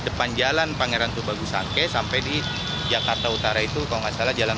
depan jalan pangeran tubagusanke sampai di jakarta utara itu kalau nggak salah jalan